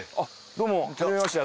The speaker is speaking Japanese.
どうもはじめまして。